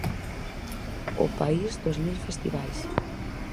'O país dos mil festivais'.